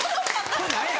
それ何や。